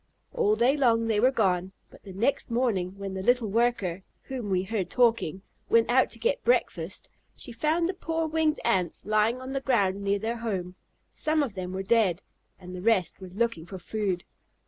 All day long they were gone, but the next morning when the little worker (whom we heard talking) went out to get breakfast, she found the poor winged Ants lying on the ground near their home. Some of them were dead, and the rest were looking for food.